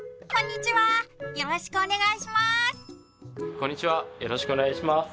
こんにちはよろしくお願いします